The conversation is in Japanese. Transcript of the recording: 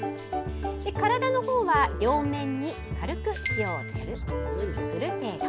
体のほうは両面に軽く振る程度。